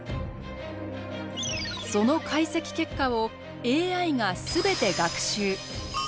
その解析結果をＡＩが全て学習。